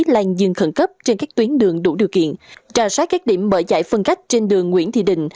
lành dừng khẩn cấp trên các tuyến đường đủ điều kiện trà sát các điểm bởi dạy phân cách trên đường nguyễn thị đình